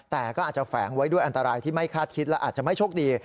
แต่ก็อาจจะแฝงไว้ด้วยอันตรายที่ไม่คาดคิดและอาจจะไม่โชคดี